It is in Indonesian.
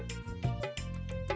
mas rangga mau bantu